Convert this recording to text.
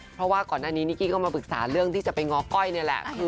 เพราะว่าก่อนหน้านี้นิกกี้ก็มาปรึกษาเรื่องที่จะไปง้อก้อยนี่แหละ